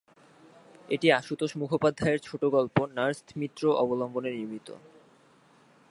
এটি আশুতোষ মুখোপাধ্যায়ের ছোট গল্প "নার্স মিত্র" অবলম্বনে নির্মিত।